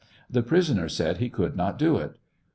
The prisoner said he could not do it.